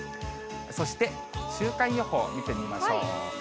そして週間予報見てみましょう。